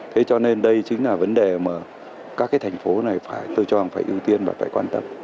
thế cho nên đây chính là vấn đề mà các cái thành phố này phải tôi cho phải ưu tiên và phải quan tâm